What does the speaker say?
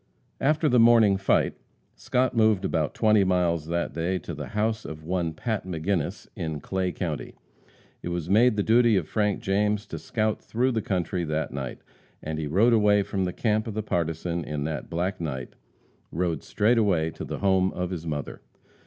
After the morning fight, Scott moved about twenty miles that day to the house of one Pat McGinnis, in Clay county. It was made the duty of Frank James to scout through the country that night, and he rode away from the camp of the partisan in the black night rode straightway to the home of his mother.